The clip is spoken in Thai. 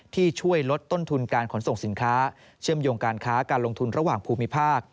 ที่ช่วยลดต้นทุนการขนส่งสินค้าเชื่อมโยงการค้าการลงทุนระหว่างภูมิภาค